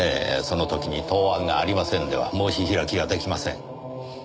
その時に答案がありませんでは申し開きが出来ません。